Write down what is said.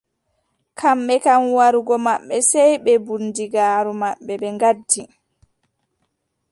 Kamɓe kam warugo maɓɓe sey bee bundigaaru maɓɓe ɓe ngaddi.